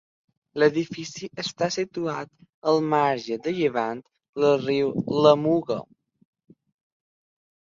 L'edifici està situat al marge de llevant del riu la Muga.